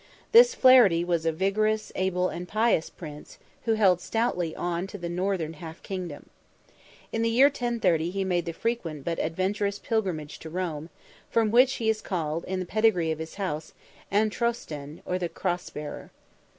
This Flaherty was a vigorous, able, and pious Prince, who held stoutly on to the northern half kingdom. In the year 1030 he made the frequent but adventurous pilgrimage to Rome, from which he is called, in the pedigree of his house, an Trostain, or the cross bearer.